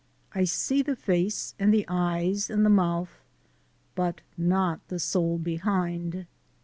I see the face and the eyes and the mouth, But not the soul behind.